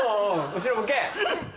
後ろ向け。